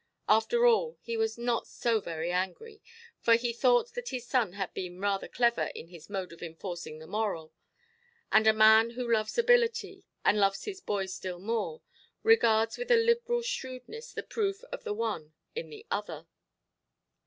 After all, he was not so very angry, for he thought that his son had been rather clever in his mode of enforcing the moral; and a man who loves ability, and loves his boy still more, regards with a liberal shrewdness the proof of the one in the other.